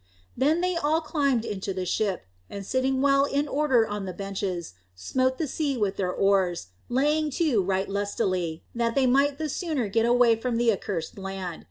Then they all climbed into the ship, and sitting well in order on the benches, smote the sea with their oars, laying to right lustily, that they might the sooner get away from the accursed land.